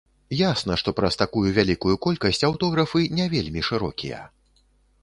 Ясна, што праз такую вялікую колькасць аўтографы не вельмі шырокія.